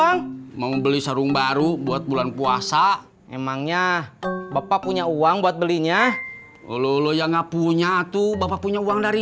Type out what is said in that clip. ngobrolnya terusin nanti aja ya pak aji